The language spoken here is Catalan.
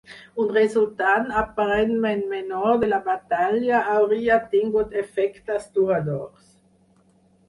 Un resultant aparentment menor de la batalla hauria tingut efectes duradors.